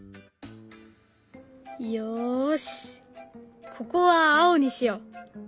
よしここは青にしよう。